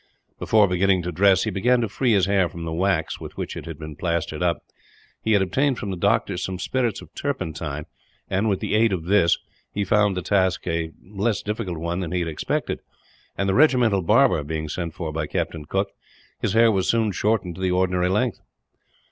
Before beginning to dress, he began to free his hair from the wax with which it had been plastered up. He had obtained from the doctor some spirits of turpentine and, with the aid of this, he found the task a less difficult one than he had expected and, the regimental barber being sent for by Captain Cooke, his hair was soon shortened to the ordinary length.